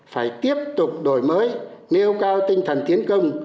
phải tiếp tục đổi mới nêu cao tinh thần tiến công